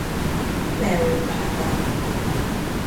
Leó pápa.